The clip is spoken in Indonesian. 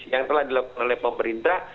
yang telah dilakukan oleh pemerintah